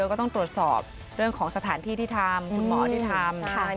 ก็ต้องตรวจสอบเรื่องของสถานที่ที่ทำคุณหมอที่ทำ